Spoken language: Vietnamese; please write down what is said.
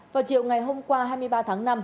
vào chiều ngày hôm qua hai mươi ba tháng năm